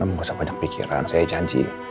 om gak usah banyak pikiran saya janji